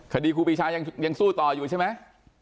คดีครูปีชายังสู้ต่ออยู่ใช่ไหม